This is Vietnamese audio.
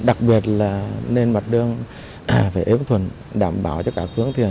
đặc biệt là nên mặt đường phải ếp thuần đảm bảo cho cả khướng thuyền